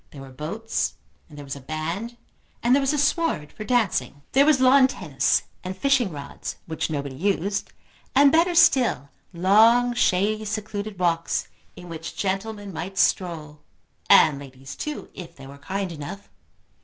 There were boats, and there was a band, and there was a sward for dancing. There was lawn tennis, and fishing rods, which nobody used, and better still, long shady secluded walks in which gentlemen might stroll, and ladies too, if they were kind enough.